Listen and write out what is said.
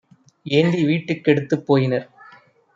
ஏந்தி வீட்டுக் கெடுத்துப் போயினர்.